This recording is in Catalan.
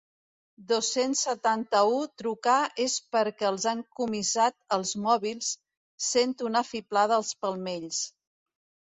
Dos-cents setanta-u trucar és perquè els han comissat els mòbils, sent una fiblada als palmells.